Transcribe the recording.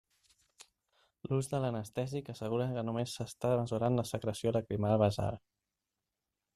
L'ús de l'anestèsic assegura que només s'està mesurant la secreció lacrimal basal.